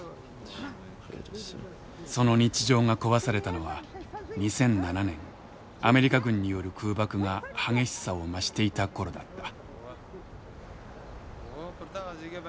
その日常が壊されたのは２００７年アメリカ軍による空爆が激しさを増していた頃だった。